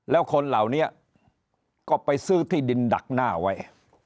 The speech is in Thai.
แล้วคนเหล่านี้ก็ไปซื้อที่ดินดักหน้าไว้